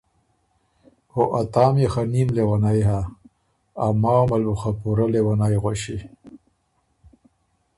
او ا تا ميې خه نیم لېوَنئ هۀ، اماوه مل بُو خه پُورۀ لېوَنئ غؤݭی۔